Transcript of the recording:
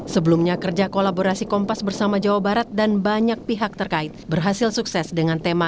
sebelumnya kerja kolaborasi kompas bersama jawa barat dan banyak pihak terkait berhasil sukses dengan tema